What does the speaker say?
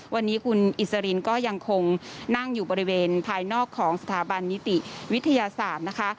วันนี้คุณอิสรินก็ยังคงนั่งอยู่บริเวณภายนอกของสถาบันนิติวิทยาศาสตร์นะคะ